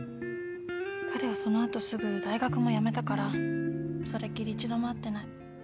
彼はその後すぐ大学も辞めたからそれきり一度も会ってない。